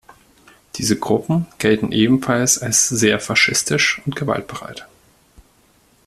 Diese Gruppen gelten ebenfalls als sehr faschistisch und gewaltbereit.